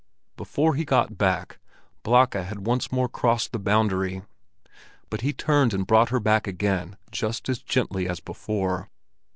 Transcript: Before he got back, Blakka had once more crossed the boundary; but he turned and brought her back again just as gently as before.